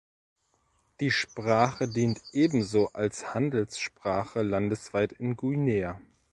Die Sprache dient ebenso als Handelssprache landesweit in Guinea.